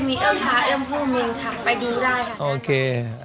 มีเอิ่มผาเอิ่มผู้มีนค่ะ